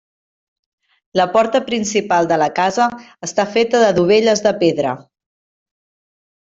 La porta principal de la casa està feta de dovelles de pedra.